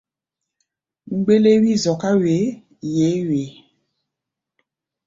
Mgbéléwi zɔká wee, yeé wee.